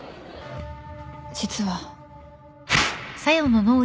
実は